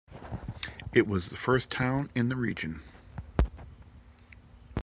It was the first town in the region.